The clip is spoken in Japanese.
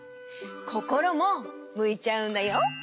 こころもむいちゃうんだよ。